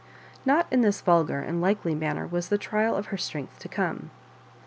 Not in this vulgar and likely manner was the trial of her strength to come.